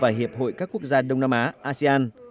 việt nam và hiệp hội các quốc gia đông nam á asean